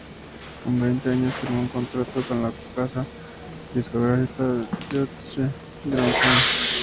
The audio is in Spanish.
Con veinte años firmó un contrato con la casa discográfica Deutsche Grammophon.